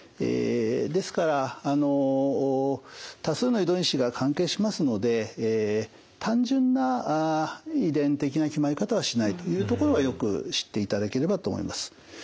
ですから多数の遺伝子が関係しますので単純な遺伝的な決まり方はしないというところはよく知っていただければと思います。